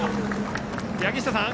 柳下さん